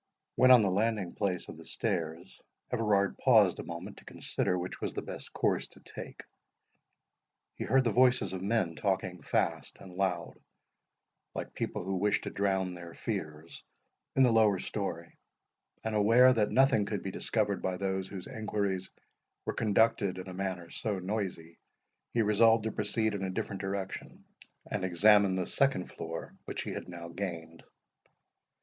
When on the landing place of the stairs, Everard paused a moment to consider which was the best course to take. He heard the voices of men talking fast and loud, like people who wish to drown their fears, in the lower story; and aware that nothing could be discovered by those whose inquiries were conducted in a manner so noisy, he resolved to proceed in a different direction, and examine the second floor, which he had now gained.